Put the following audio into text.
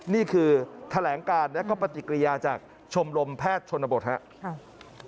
นี่คือแถลงการและก็ปฏิกิริยาจากชมรมแพทย์ชนบทครับ